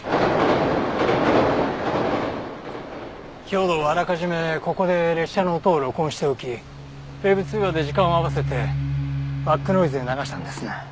兵働はあらかじめここで列車の音を録音しておきＷｅｂ通話で時間を合わせてバックノイズで流したんですね。